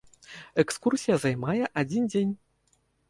Экскурсія займае адзін дзень.